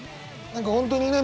何か本当にね